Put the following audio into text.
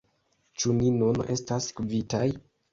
Ĉu ni nun estas kvitaj?